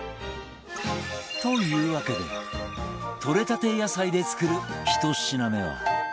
というわけで採れたて野菜で作る１品目は